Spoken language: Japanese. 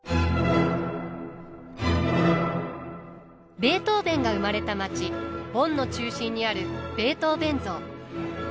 ベートーヴェンが生まれた街ボンの中心にあるベートーヴェン像。